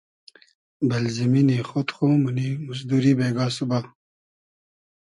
بئل زیمینی خۉد خو مونی موزدوری بېگا سوبا